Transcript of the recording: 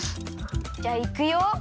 じゃあいくよ。